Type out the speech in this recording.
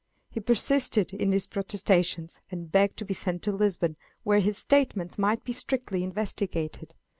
He persisted in his protestations, and begged to be sent to Lisbon, where his statements might be strictly investigated.